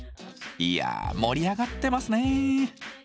いや盛り上がってますね。